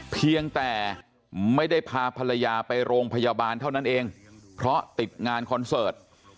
เพียงแต่ไม่ได้พาภรรยาไปโรงพยาบาลเท่านั้นเองเพราะติดงานคอนเสิร์ต